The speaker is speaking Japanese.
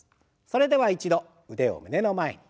それでは一度腕を胸の前に。